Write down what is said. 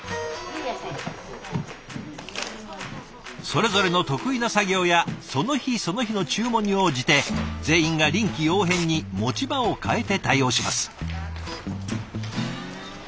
それぞれの得意な作業やその日その日の注文に応じて全員が臨機応変に持ち場を変えて対応します。